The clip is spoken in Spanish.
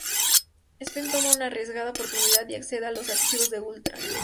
Stephen toma una arriesgada oportunidad y accede a los archivos de Ultra.